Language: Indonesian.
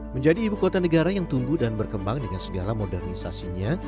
menjadi ibu kota negara yang tumbuh dan berkembang dengan segala modernisasinya